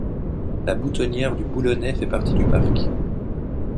La boutonnière du Boulonnais fait partie du parc.